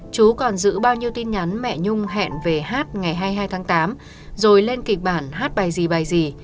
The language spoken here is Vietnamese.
chú còn giữ bao nhiêu tin nhắn mẹ nhung hẹn về hát ngày hai mươi hai tháng tám rồi lên kịch bản hát bài gì bài gì